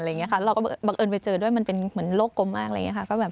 เราบังเอิญไปเจอด้วย์มันเป็นเหมือนโรคกลมมาก